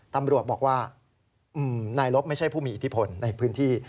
ตำรวจบอกว่านายลบไม่ใช่ผู้มีอิทธิพลในพื้นที่